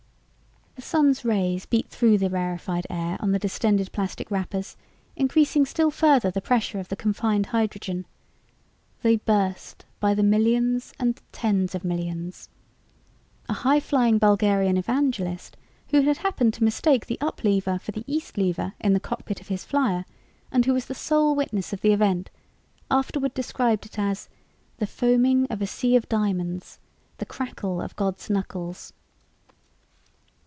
The Sun's rays beat through the rarified air on the distended plastic wrappers, increasing still further the pressure of the confined hydrogen. They burst by the millions and tens of millions. A high flying Bulgarian evangelist, who had happened to mistake the up lever for the east lever in the cockpit of his flier and who was the sole witness of the event, afterward described it as "the foaming of a sea of diamonds, the crackle of God's knuckles."